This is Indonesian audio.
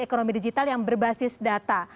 ekonomi digital yang berbasis data